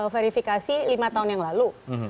verifikasi lima tahun yang lalu